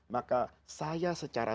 maka saya secara